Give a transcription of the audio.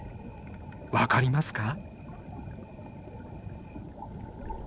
分かりますか？